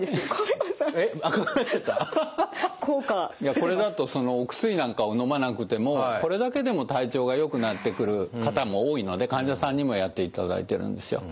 これだとお薬なんかをのまなくてもこれだけでも体調がよくなってくる方も多いので患者さんにもやっていただいてるんですよ。